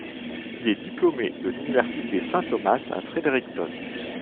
Il est diplômé de l'Université Saint-Thomas à Fredericton.